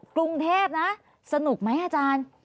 กรุงเทพนะสนุกไหมอาจารย์